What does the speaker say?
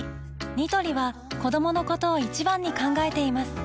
ニトリは子どものことを一番に考えています